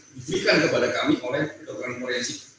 diberikan kepada kami oleh kedokteran koreksik